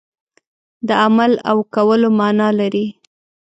د عمل او کولو معنا لري.